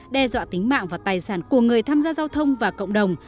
đe dọa tính mạng và tài sản của người tham gia giao thông và cộng đồng